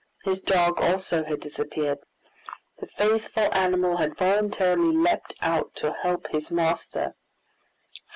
His dog also had disappeared. The faithful animal had voluntarily leaped out to help his master.